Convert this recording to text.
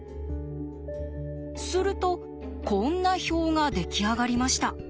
するとこんな表が出来上がりました。